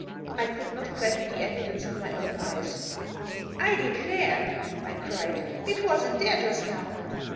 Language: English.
I could not credit the evidence of my own eyes. " I declare," I cried, " it wasn't there just now."